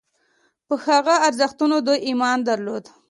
په هغه ارزښتونو دوی ایمان درلود.